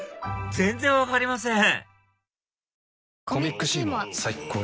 全然分かりません